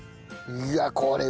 いやこれは。